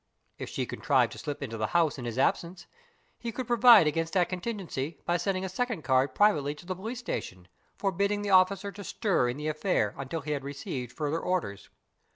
If she contrived to slip into the house in his absence, he could provide against that contingency by sending a second card privately to the police station, forbidding the officer to stir in the affair until he had received further orders.